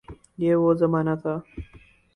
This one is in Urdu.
یہ وہ زمانہ تھا۔